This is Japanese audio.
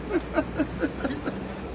ハハハハ。